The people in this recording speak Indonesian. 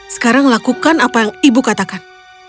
sekarang lakukan apa yang ibu katakan